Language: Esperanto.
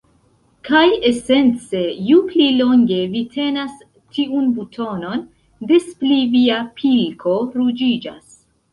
Kaj esence ju pli longe vi tenas tiun butonon, des pli via pilko ruĝiĝas.